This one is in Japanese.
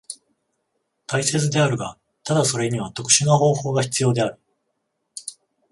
大切であるが、ただそれには特殊な方法が必要である。